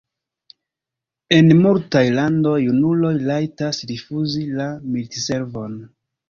En multaj landoj junuloj rajtas rifuzi la militservon.